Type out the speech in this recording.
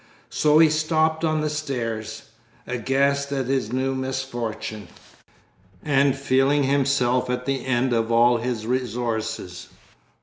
So he stopped on the stairs, aghast at this new misfortune, and feeling himself at the end of all his resources.